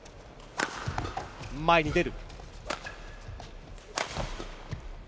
前に出る。